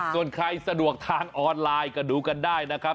ส่วนใครสะดวกทางออนไลน์ก็ดูกันได้นะครับ